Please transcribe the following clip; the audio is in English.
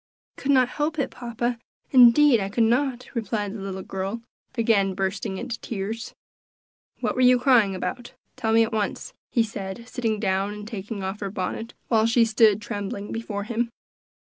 "I could not help it, papa; indeed I could not," replied the little girl, again bursting into tears. "What were you crying about? tell me at once," he said, sitting down and taking off her bonnet, while she stood trembling before him.